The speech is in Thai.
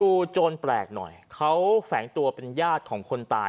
โจรแปลกหน่อยเขาแฝงตัวเป็นญาติของคนตาย